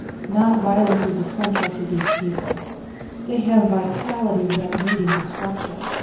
Nonviolence is essential to these people they have vitality without needing destruction.